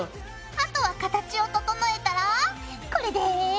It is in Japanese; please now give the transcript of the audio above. あとは形を整えたらこれで。